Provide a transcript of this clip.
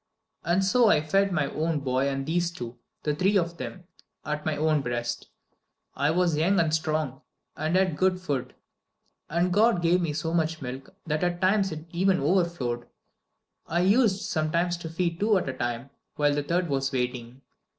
And so I fed my own boy and these two the three of them at my own breast. I was young and strong, and had good food, and God gave me so much milk that at times it even overflowed. I used sometimes to feed two at a time, while the third was waiting.